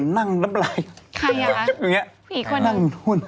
มันก็ใกล้เคียง